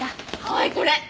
はいこれ！